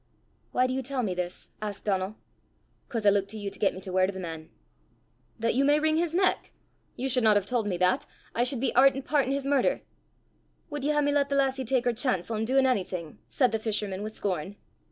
"Why do you tell me this?" asked Donal. "'Cause I look to you to get me to word o' the man." "That you may wring his neck? You should not have told me that: I should be art and part in his murder!" "Wud ye hae me lat the lassie tak her chance ohn dune onything?" said the fisherman with scorn.